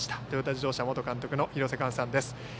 トヨタ自動車元監督の廣瀬寛さんです。